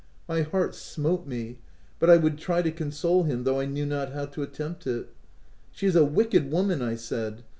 My heart smote me ; but I would try to console him, though I knew not how to attempt it. " She is a wicked woman," I said.